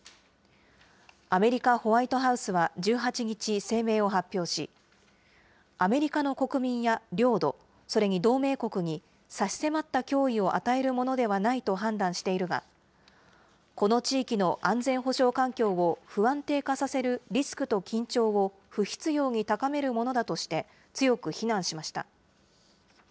アメリカ・ホワイトハウスは１８日、声明を発表し、アメリカの国民や領土、それに同盟国に差し迫った脅威を与えるものではないと判断しているが、この地域の安全保障環境を不安定化させるリスクと緊張を不必要に高めるものだとして、強く非難しました。